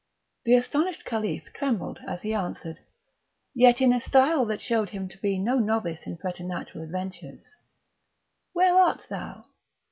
The astonished Caliph trembled as he answered, yet in a style that showed him to be no novice in preternatural adventures: "Where art thou?